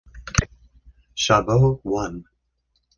Chabot won.